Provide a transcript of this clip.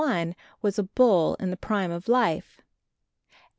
1, was a bull in the prime of life.